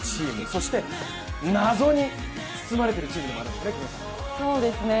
そして謎に包まれているチームでもあるんですね。